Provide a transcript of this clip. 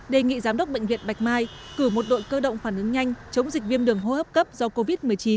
đề nghị giám đốc bệnh viện bạch mai cử một đội cơ động phản ứng nhanh chống dịch viêm đường hô hấp cấp do covid một mươi chín